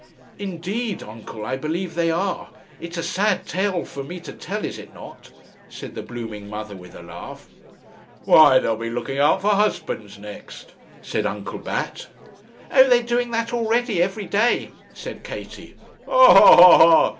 'Indeed, uncle, I believe they are. It's a sad tale for me to tell, is it not?' said the blooming mother with a laugh. 'Why, they'll be looking out for husbands next,' said Uncle Bat. 'Oh! they're doing that already, every day,' said Katie. 'Ha, ha, ha!'